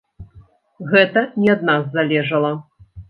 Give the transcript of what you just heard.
Гэта не ад нас залежала.